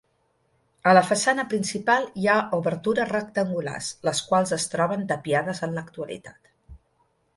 A la façana principal hi ha obertures rectangulars, les quals es troben tapiades en l'actualitat.